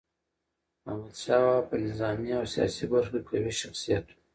احمد شاه بابا په نظامي او سیاسي برخو کي قوي شخصیت و.